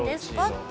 って